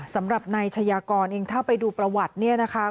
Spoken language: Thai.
สำหรับนายชายากรเองถ้าไปดูประวัติเนี่ยนะคะ